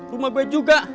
rumah baik juga